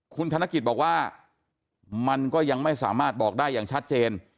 คุณธนกิจบอกว่ามันก็ยังไม่สามารถบอกได้อย่างชัดเจน